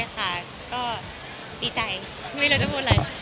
ก็ดีใจไม่รู้จะพูดอะไร